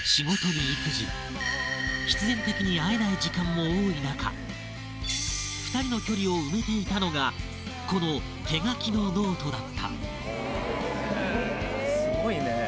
必然的に会えない時間も多い中２人の距離を埋めていたのがこの手書きのノートだったへぇ。